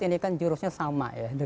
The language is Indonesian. ini kan jurusnya sama ya